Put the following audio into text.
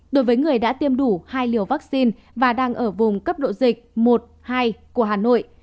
đối với người đã tiêm đủ hai liều vaccine và đang ở vùng cấp độ dịch một hai của hà nội